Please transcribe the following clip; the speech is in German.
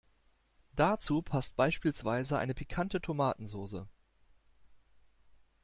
Dazu passt beispielsweise eine pikante Tomatensoße.